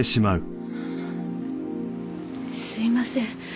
すいません。